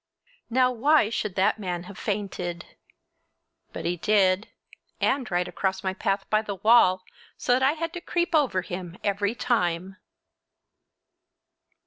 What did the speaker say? Now why should that man have fainted? But he did, and right across my path by the wall, so that I had to creep over him every time!